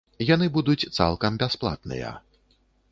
Яны будуць цалкам бясплатныя.